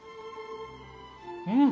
うん！